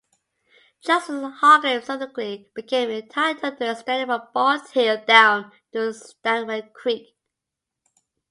Justice Hargrave subsequently became entitled to extending from Bald Hill down to Stanwell Creek.